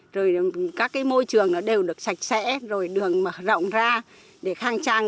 rồi các môi trường đều được sạch sẽ rồi đường rộng ra để khang trang